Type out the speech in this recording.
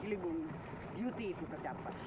jadi ciliwung beauty itu terdapat